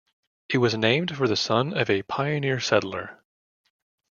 It was named for the son of a pioneer settler.